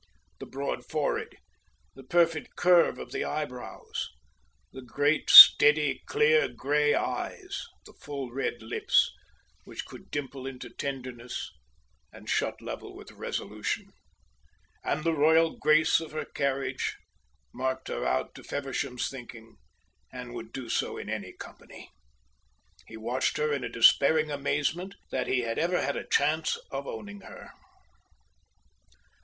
The broad forehead, the perfect curve of the eyebrows, the great steady, clear, grey eyes, the full red lips which could dimple into tenderness and shut level with resolution, and the royal grace of her carriage, marked her out to Feversham's thinking, and would do so in any company. He watched her in a despairing amazement that he had ever had a chance of owning her.